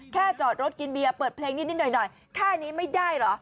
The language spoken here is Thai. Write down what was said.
จอดรถกินเบียร์เปิดเพลงนิดหน่อยแค่นี้ไม่ได้เหรอ